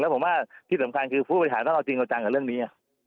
แล้วผมว่าที่สำคัญผู้บริหารก็จะตามอย่างนี้